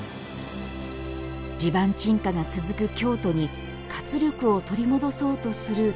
地盤沈下が続く京都に活力を取り戻そうとする大事業。